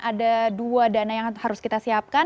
ada dua dana yang harus kita siapkan